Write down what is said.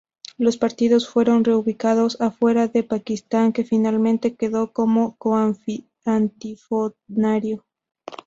Los partidos fueron re ubicados afuera de Pakistán, que finalmente quedó como co-antifonario.